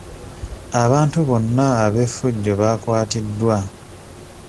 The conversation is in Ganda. Abantu bonna ab'effujjo baakwatiddwa.